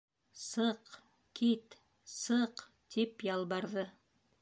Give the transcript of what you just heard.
Сыҡ... кит... сыҡ, - тип ялбарҙы.